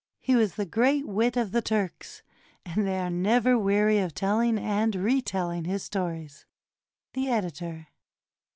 He was the great wit of the Turks, and they are never weary of telling and reteUing his stories. The Editor.